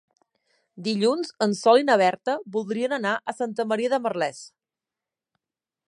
Dilluns en Sol i na Berta voldrien anar a Santa Maria de Merlès.